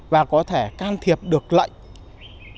và có thể can thiệp được lệnh điều chỉnh lên xuống các mạng chứng khoán